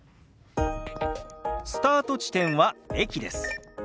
スタート地点は駅です。